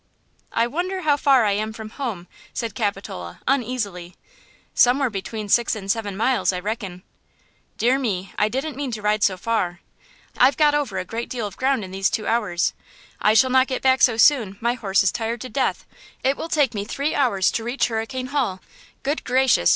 "I wonder how far I am from home?" said Capitola, uneasily; "somewhere between six and seven miles, I reckon. Dear me, I didn't mean to ride so far. I've got over a great deal of ground in these two hours. I shall not get back so soon; my horse is tired to death; it will take me three hours to reach Hurricane Hall. Good gracious!